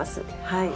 はい。